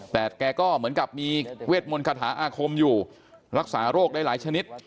แต่แกก็เหมือนกับมีเวทมนต์คาถาอาคมอยู่รักษาโรคได้หลายชนิด